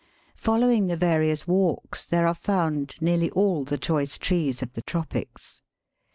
Following the various walks there are found nearly all the choice trees of the tropics.